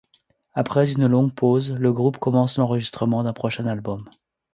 Après une longue pause, la groupe commence l'enregistrement d'un prochain album.